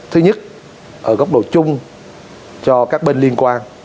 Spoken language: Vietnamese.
thứ nhất ở góc độ chung cho các bên liên quan